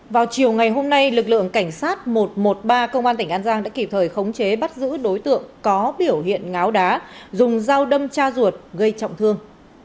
vào chiều ngày hôm nay lực lượng cảnh sát một trăm một mươi ba công an tỉnh an giang đã kịp thời khống chế bắt giữ đối tượng có biểu hiện ngáo đá dùng dao đâm cha ruột gây trọng thương